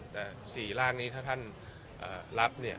แต่๔ร่างนี้ถ้าท่านรับเนี่ย